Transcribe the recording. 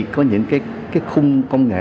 có những cái khung công nghệ